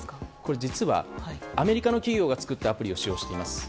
実は、アメリカの企業が作ったアプリを使用しています。